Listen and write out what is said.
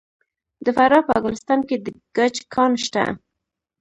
د فراه په ګلستان کې د ګچ کان شته.